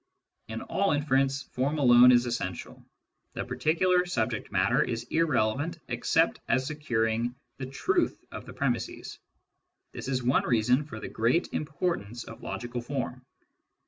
In all inference, form alone is essential : the particular subject matter is irrelevant except as securing the truth of the premisses. This is one reason for the great im portance of logical form.